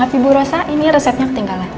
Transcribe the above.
maaf ibu rossa ini resepnya ketinggalan